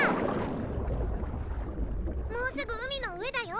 もうすぐ海の上だよ！